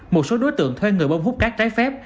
một số đối tượng thuê người bông hút các trái phép